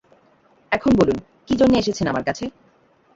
এখন বলুন, কি জন্যে এসেছেন আমার কাছে?